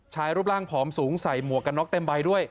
รูปร่างผอมสูงใส่หมวกกันน็อกเต็มใบด้วย